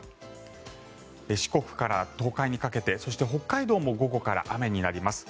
四国から東海にかけてそして北海道も午後から雨になります。